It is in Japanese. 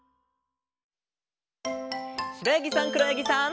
しろやぎさんくろやぎさん。